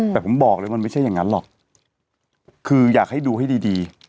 แต่ผมบอกเลยมันไม่ใช่อย่างนั้นหรอกคืออยากให้ดูให้ดี